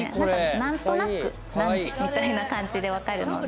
何となく何時みたいな感じでわかるので。